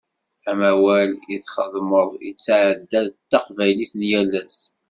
Amawal i tesxedmeḍ yetɛedda d taqbaylit n yal ass.